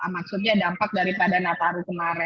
maksudnya dampak daripada nataru kemarin